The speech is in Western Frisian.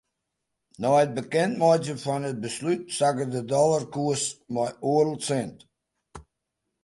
Nei it bekendmeitsjen fan it beslút sakke de dollarkoers mei oardel sint.